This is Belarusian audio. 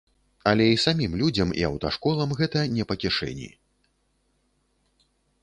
Але і самім людзям, і аўташколам гэта не па кішэні.